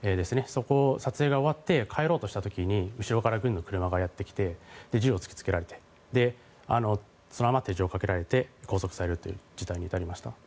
そこの撮影が終わって帰ろうとした時に後ろから軍の車がやってきて銃を突きつけられてそのまま手錠をかけられて拘束されるという事態に至りました。